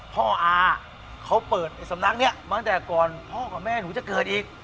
อาเขาเปิดไอ้สำนักนี้มาตั้งแต่ก่อนพ่อกับแม่หนูจะเกิดอีก